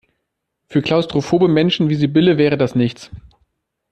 Für klaustrophobe Menschen wie Sibylle wäre das nichts.